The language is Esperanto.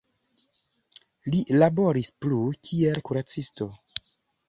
Li laboris plu, kiel kuracisto.